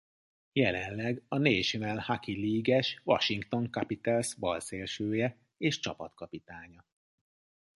Jelenleg a National Hockey League-es Washington Capitals balszélsője és csapatkapitánya.